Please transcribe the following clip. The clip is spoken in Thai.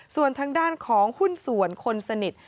ส่วนทางด้านของหุ้นส่วนคนสนิท